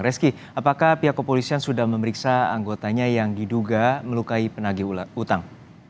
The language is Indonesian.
reski apakah pihak kepolisian sudah memeriksa anggotanya yang diduga melukai penagi utang